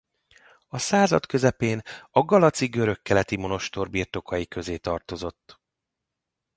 A század közepén a galaci görögkeleti monostor birtokai közé tartozott.